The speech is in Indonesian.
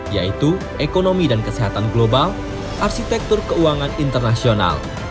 yaitu ekonomi dan kesehatan global arsitektur keuangan internasional